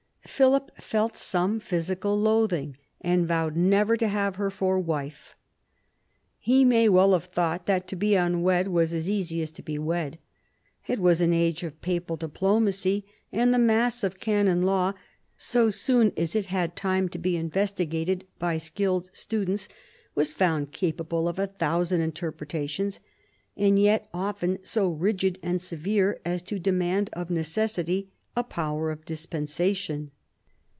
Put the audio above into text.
Philip felt some physical loathing, and vowed never to have her for wife. He may well have thought that to be unwed was as easy as to be wed. It was an age of papal diplomacy, and the mass of Canon Law, so soon as it had time to be investigated by skilled students, was found capable pf a thousand interpretations, and yet often so rigid and severe as to demand of necessity a power of dispensa^ tion.